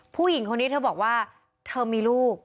ผู้หญิงคนนี้เธอบอกว่าเธอมีลูก